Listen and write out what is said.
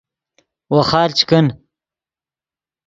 ویخال چے کن